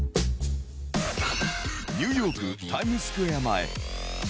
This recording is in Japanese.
ニューヨーク・タイムズスクエア前。